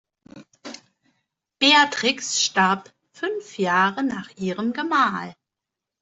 Beatrix starb fünf Jahre nach ihrem Gemahl.